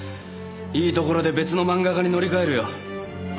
いいところで別の漫画家に乗り換えるよ。